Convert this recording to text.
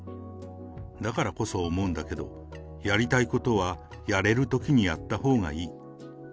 だからこそ思うんだけど、やりたいことはやれるときにやったほうがいい。